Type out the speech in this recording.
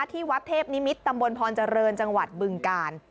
ที่วัดเทพนิมิตรตำบลพรเจริญจังหวัดบึงกาล